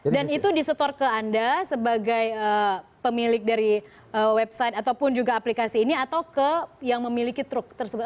itu di store ke anda sebagai pemilik dari website ataupun juga aplikasi ini atau ke yang memiliki truk tersebut